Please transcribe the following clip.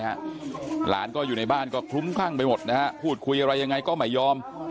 หลานก็อยู่ในบ้านก็คลุ้มคลั่งไปหมดนะฮะพูดคุยอะไรยังไงก็ไม่ยอม